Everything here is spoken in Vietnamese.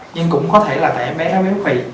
nhưng cũng có thể là tại em bé nó béo phì